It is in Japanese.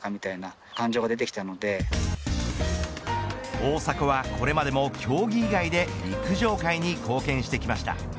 大迫はこれまでも競技以外で陸上界に貢献してきました。